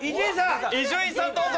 伊集院さんどうぞ。